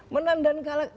menang dan kalah